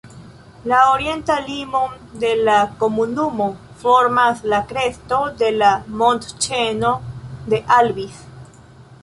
La orientan limon de la komunumo formas la kresto de la montĉeno de Albis.